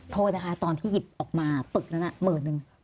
โทษนะคะตอนที่หยิบออกมาปึกนั้นหมื่นนึง